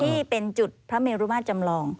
นี่เป็นจุดพระเมรุมาตรจำลอง